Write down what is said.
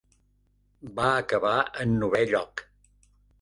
Va acabar en novè lloc.